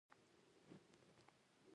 د تور دیب هغه ډارونکې څېره اوس بربنډه شوه.